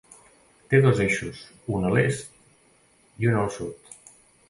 Té dos eixos, un a l'est i un al sud.